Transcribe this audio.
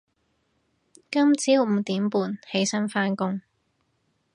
今朝五點半起身返工